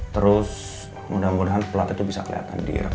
terus mudah mudahan plat itu bisa kelihatan di irak